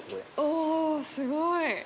おすごい。